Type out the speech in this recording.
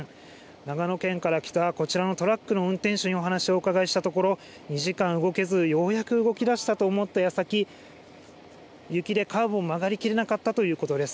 長野県から来たこちらのトラックの運転手にお話をお伺いしたところ、２時間動けず、ようやく動きだしたと思ったやさき、雪でカーブを曲がりきれなかったということです。